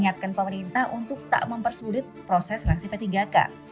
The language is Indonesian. mengingatkan pemerintah untuk tak mempersulit proses seleksi p tiga k